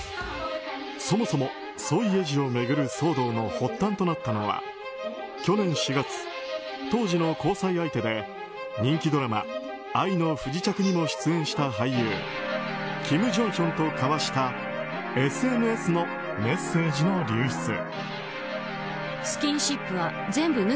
そもそも、ソ・イェジを巡る騒動の発端となったのは去年４月、当時の交際相手で人気ドラマ「愛の不時着」にも出演した俳優キム・ジョンヒョンと交わしたＳＮＳのメッセージの流出。